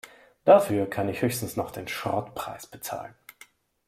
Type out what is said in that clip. Dafür kann ich höchstens noch den Schrottpreis bezahlen.